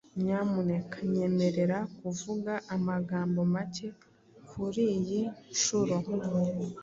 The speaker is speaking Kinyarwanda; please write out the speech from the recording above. Nyamuneka nyemerera kuvuga amagambo make kuriyi nshuro.